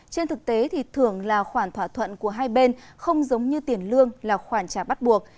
trên thực tế thì thưởng là khoản thỏa thuận của hai bên không giống như tiền lương là khoản trả bắt buộc